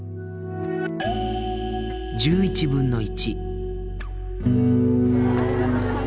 １１分の１。